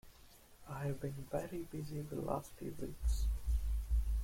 I've been very busy the last few weeks.